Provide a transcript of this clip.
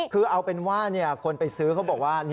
คือเอาเป็นว่าคนไปซื้อเขาบอกว่า